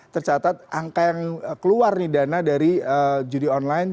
tercatat angka yang keluar nih dana dari judi online